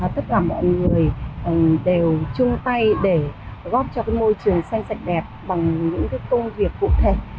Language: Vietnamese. tất cả mọi người đều chung tay để góp cho môi trường xanh sạch đẹp bằng những công việc cụ thể